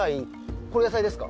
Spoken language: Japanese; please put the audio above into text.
これ野菜ですか？